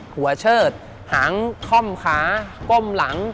หัวเชิดหางค่อมขาก้มหลัง